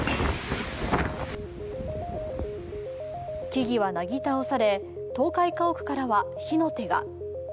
木々はなぎ倒され、倒壊家屋からは火の手が。